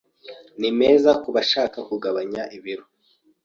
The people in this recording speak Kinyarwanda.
Ni meza ku bashaka kugabanya ibiro